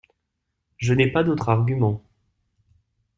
Je n’ai pas d’autre argument.